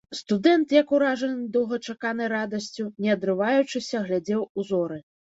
Студэнт, як уражаны доўгачаканай радасцю, не адрываючыся, глядзеў у зоры.